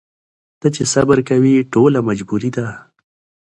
ته چي صبر کوې ټوله مجبوري ده